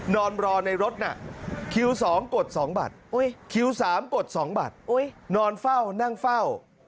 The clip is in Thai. นอนรอในรถน่ะ